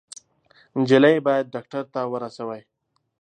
_نجلۍ بايد ډاکټر ته ورسوئ!